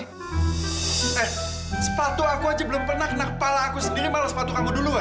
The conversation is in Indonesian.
eh sepatu aku aja belum pernah kena kepala aku sendiri malah sepatu kamu duluan